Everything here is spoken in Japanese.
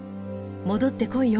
戻ってこいよ」。